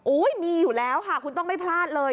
มีอยู่แล้วค่ะคุณต้องไม่พลาดเลย